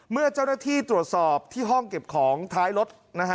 เมื่อเจ้าหน้าที่ตรวจสอบที่ห้องเก็บของท้ายรถนะฮะ